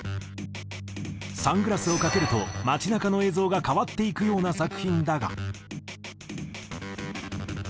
サングラスを掛けると街なかの映像が変わっていくような作品だが。